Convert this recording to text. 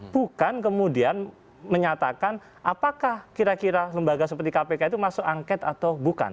bukan kemudian menyatakan apakah kira kira lembaga seperti kpk itu masuk angket atau bukan